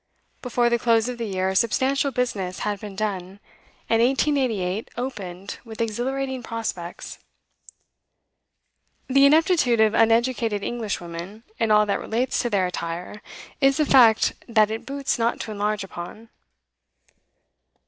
Before the close of the year substantial business had been done, and 1888 opened with exhilarating prospects. The ineptitude of uneducated English women in all that relates to their attire is a fact that it boots not to enlarge upon.